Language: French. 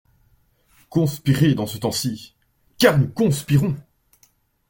Conspirer dans ce temps-ci !… car nous conspirons .